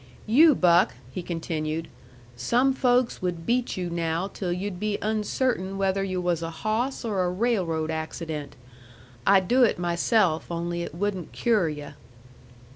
You, Buck," he continued, "some folks would beat you now till yu'd be uncertain whether yu' was a hawss or a railroad accident. I'd do it myself, only it wouldn't cure yu'."